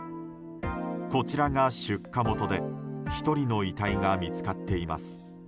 こちらが出火元で１人の遺体が見つかっています。